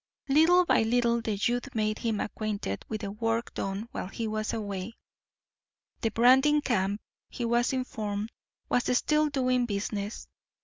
Little by little the youth made him acquainted with the work done while he was away. The branding camp, he was informed, was still doing business.